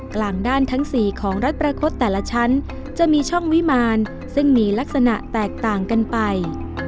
กลางด้านทั้ง๔ของรัฐประคดแต่ละชั้นจะมีช่องวิมารซึ่งมีลักษณะแตกต่างกันไป